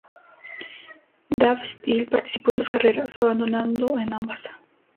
Dave Steele participó en dos carreras, abandonando en ambas.